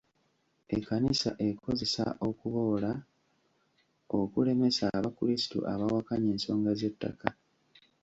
Ekkanisa ekozesa okuboola okulemesa abakrisitu abawakanya ensonga z'ettaka